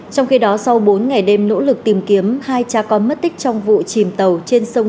trong khi đó sau bốn ngày đêm nỗ lực tìm kiếm hai cha con mất tích trong vụ chìm tàu trên sông